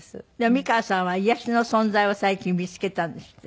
美川さんは癒やしの存在を最近見つけたんですって？